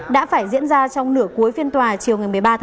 đã phải diễn ra trong nửa cuối phiên tòa chiều một mươi ba một mươi một